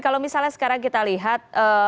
kalau misalnya sekarang kita lihat